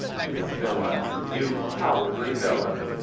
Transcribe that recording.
"You villain! You cowardly villain!"